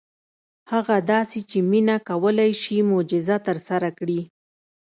هغه داسې چې مينه کولی شي معجزه ترسره کړي.